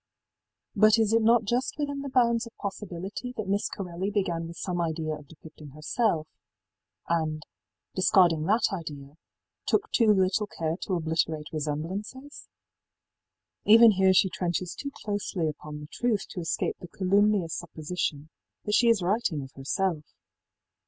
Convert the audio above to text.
í But is it not just within the bounds of possibility that Miss Corelli began with some idea of depicting herself, and, discarding that idea, took too little care to obliterate resemblances? Even here she trenches too closely upon the truth to escape the calumnious supposition that she is writing of herself.